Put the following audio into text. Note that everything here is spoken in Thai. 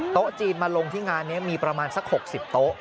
โต๊ะจีนมาลงที่งานนี้มีประมาณสัก๖๐โต๊ะ